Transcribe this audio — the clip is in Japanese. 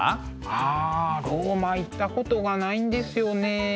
あローマ行ったことがないんですよね。